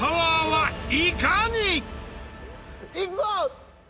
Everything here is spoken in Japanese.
「いくぞ！」